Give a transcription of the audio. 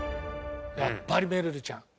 やっぱりめるるちゃん。